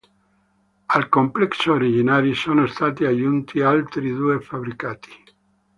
Al complesso originari sono stati aggiunti altri due fabbricati.